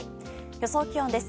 予想気温です。